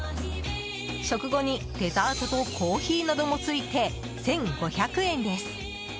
食後にデザートとコーヒーなどもついて１５００円です。